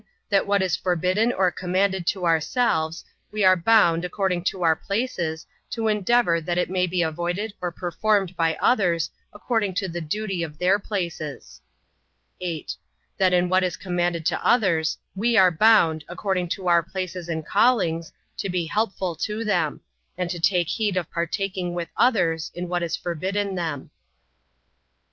That what is forbidden or commanded to ourselves, we are bound, according to our places, to endeavor that it may be avoided or performed by others, according to the duty of their places. 8. That in what is commanded to others, we are bound, according to our places and callings, to be helpful to them; and to take heed of partaking with others in what is forbidden them.